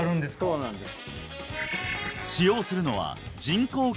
そうなんです